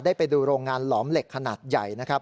ได้ไปดูโรงงานหลอมเหล็กขนาดใหญ่